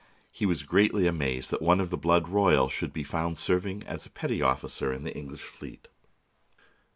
He was greatly amazed that one of the blood royal should be found serving as a petty officer in the English fleet.